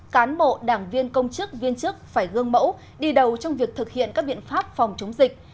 cán bộ đảng viên công chức viên chức phải gương mẫu đi đầu trong việc thực hiện các biện pháp phòng chống dịch